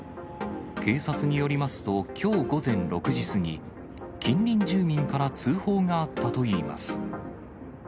警察によりますと、きょう午前６時過ぎ、近隣住民から通報があったといいます。